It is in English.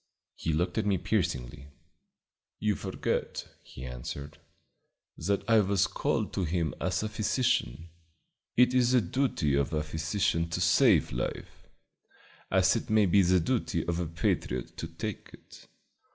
He looked at me piercingly. "You forget," he answered, "that I was called to him as a physician. It is the duty of a physician to save life, as it may be the duty of a patriot to take it.